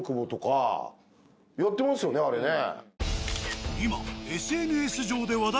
やってますよねあれね。